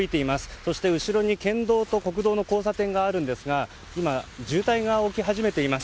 そして、後ろに県道と国道の交差点があるんですが今、渋滞が起き始めています。